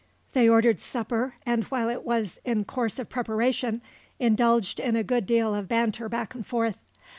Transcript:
They ordered supper, and while it was in course of preparation, indulged in a good deal of banter back and forth.